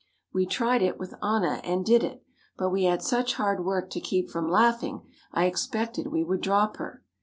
We tried it with Anna and did it, but we had such hard work to keep from laughing I expected we would drop her.